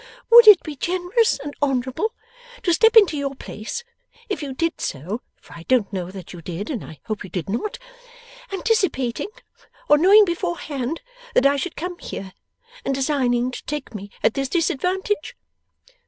'Would it be generous and honourable to step into your place if you did so, for I don't know that you did, and I hope you did not anticipating, or knowing beforehand, that I should come here, and designing to take me at this disadvantage?